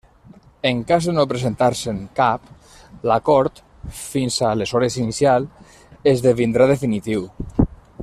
En cas de no presentar-se'n cap, l'acord, fins aleshores inicial, esdevindrà definitiu.